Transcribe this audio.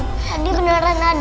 tadi beneran ada